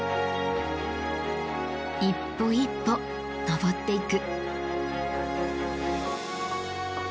一歩一歩登っていく。